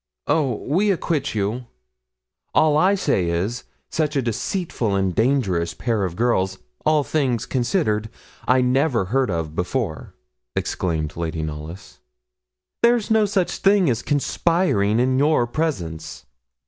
'Oh! we acquit you.' 'All I say is, such a deceitful, dangerous pair of girls all things considered I never heard of before,' exclaimed Lady Knollys. 'There's no such thing as conspiring in your presence.'